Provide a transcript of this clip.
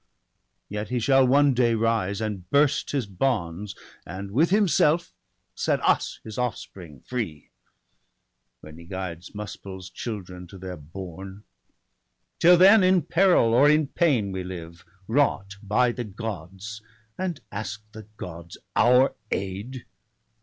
Yet he shall one day rise, and burst his bonds. And with himself set us his offspring free. When he guides Muspel's children to their bourne. Till then in peril or in pain we live. Wrought by the Gods — and ask the Gods our aid